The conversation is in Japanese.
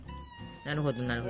なるほどなるほど。